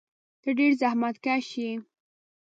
ته ډېر زحمتکښ یې.